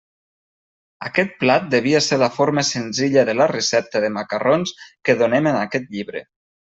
Aquest plat devia ser la forma senzilla de la recepta de macarrons que donem en aquest llibre.